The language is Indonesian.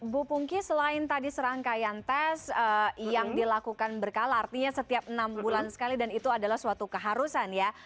bu pungki selain tadi serangkaian tes yang dilakukan berkala artinya setiap enam bulan sekali dan itu adalah suatu keharusan ya